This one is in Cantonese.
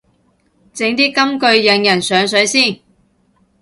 整啲金句引人上水先